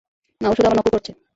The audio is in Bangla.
না, ও শুধু আমার নকল করছে।